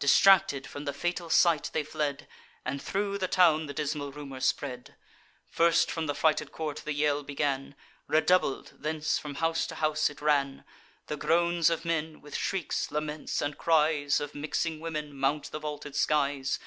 Distracted, from the fatal sight they fled, And thro' the town the dismal rumour spread. First from the frighted court the yell began; Redoubled, thence from house to house it ran: The groans of men, with shrieks, laments, and cries Of mixing women, mount the vaulted skies.